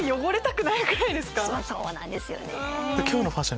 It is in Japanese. そうなんですよね。